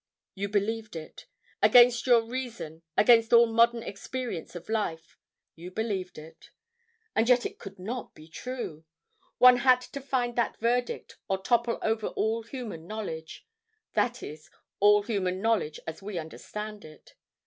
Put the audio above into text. You believed it. Against your reason, against all modern experience of life, you believed it. And yet it could not be true! One had to find that verdict or topple over all human knowledge—that is, all human knowledge as we understand it.